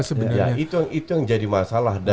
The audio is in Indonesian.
sebenarnya itu yang jadi masalah